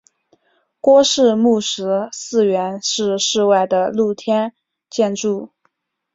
郭氏墓石祠原是室外的露天建筑。